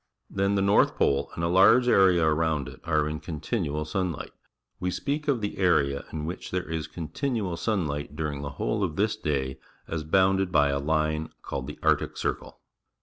Then the norfh pole and a^JjTge area around it are in continual sun light. We speak o f the area in which there is con tinual sunlight durijig_J^he whole of this day as bounded by a lin e called the Arctic Circle.